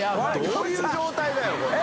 どういう状態だよこれ。